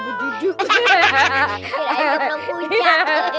kirain gemblong punya